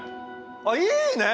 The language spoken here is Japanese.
あっいいね！